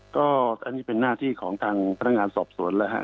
ก็อันนี้เป็นหน้าที่ของทางพนักงานสอบสวนแล้วฮะ